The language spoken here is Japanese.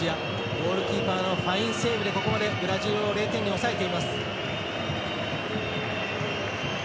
ゴールキーパーのファインセーブでここまでブラジルを０点に抑えています。